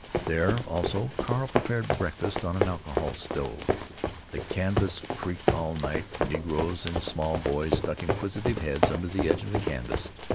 There also Carl prepared breakfast on an alcohol stove. The canvas creaked all night; negroes and small boys stuck inquisitive heads under the edge of the canvas.